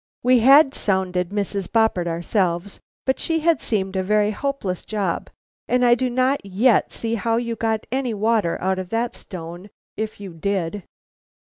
"We had sounded Mrs. Boppert ourselves, but she had seemed a very hopeless job, and I do not yet see how you got any water out of that stone if you did."